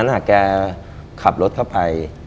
วันนั้นแกขับรถเข้าไป